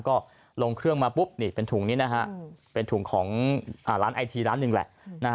ก็ลงเครื่องมาปุ๊บนี่เป็นถุงนี้นะฮะเป็นถุงของร้านไอทีร้านหนึ่งแหละ